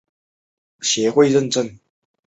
罗伯特学院被纽约州独立学校协会认证。